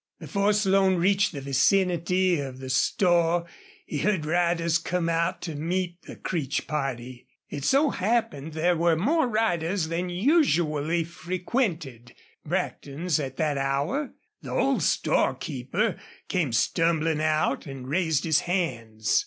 Before Slone reached the vicinity of the store he saw riders come out to meet the Creech party. It so happened there were more riders than usually frequented Brackton's at that hour. The old storekeeper came stumbling out and raised his hands.